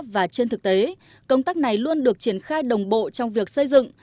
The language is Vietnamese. và trên thực tế công tác này luôn được triển khai đồng bộ trong việc xây dựng